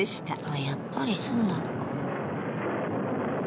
やっぱりそうなのか。